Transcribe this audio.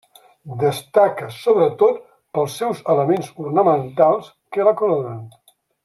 Destaca sobretot pels seus elements ornamentals que la coronen.